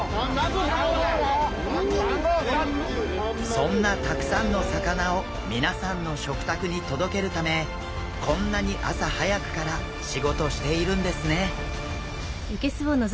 そんなたくさんの魚を皆さんの食卓に届けるためこんなに朝早くから仕事しているんですね。